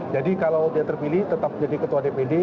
jadi kalau dia terpilih tetap jadi ketua dpd